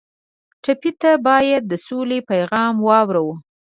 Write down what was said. ټپي ته باید د سولې پیغام واورو.